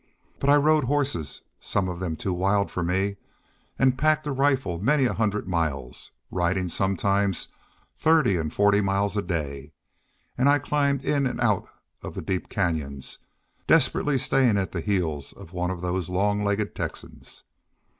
But I rode horses some of them too wild for me and packed a rifle many a hundred miles, riding sometimes thirty and forty miles a day, and I climbed in and out of the deep canyons, desperately staying at the heels of one of those long legged Texans.